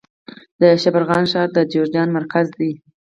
د شبرغان ښار د جوزجان مرکز دی